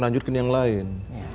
lanjut ke yang lain